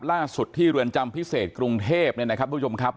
ล่าสุดที่เรือนจำพิเศษกรุงเทพเนี่ยนะครับทุกผู้ชมครับ